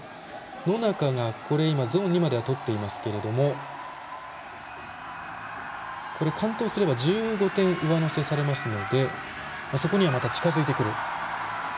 野中がゾーン２まではとっていますけども完登すれば１５点、上乗せされますのでそこには近づいてくる。